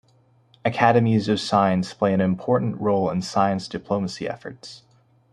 Academies of science play an important role in science diplomacy efforts.